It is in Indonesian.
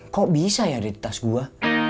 kok bisa ya ada di tas gua